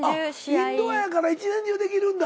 インドアやから一年中できるんだ。